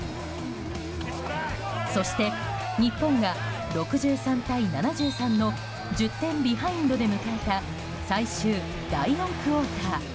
そして日本が６３対７３の１０点ビハインドで迎えた最終第４クオーター。